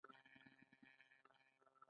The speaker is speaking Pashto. هیڅ چا د مرئیتوب نظام د ګواښ فکر نه کاوه.